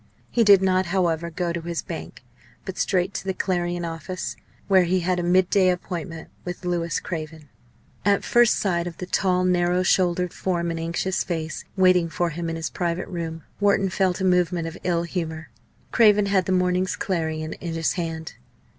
He did not, however, go to his bank, but straight to the Clarion office, where he had a mid day appointment with Louis Craven. At first sight of the tall, narrow shouldered form and anxious face waiting for him in his private room, Wharton felt a movement of ill humour. Craven had the morning's Clarion in his hand.